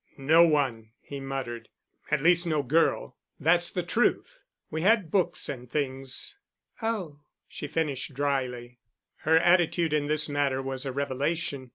"No one," he muttered, "at least no girl. That's the truth. We had books and things." "Oh," she finished dryly. Her attitude in this matter was a revelation.